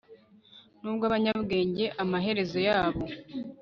nubwo abanyabwenge amaherezo yabo